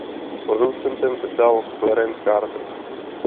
Producentem se stal Clarence Carter.